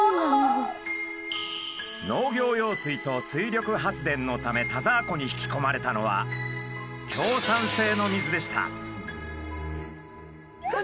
農業用水と水力発電のため田沢湖に引きこまれたのは強酸性の水でした。